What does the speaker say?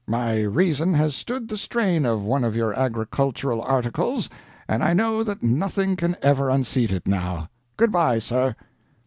My reason has stood the strain of one of your agricultural articles, and I know that nothing can ever unseat it now. Good by, sir."